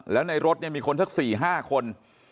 แล้วในรถมีคนธักษ์๔๕คน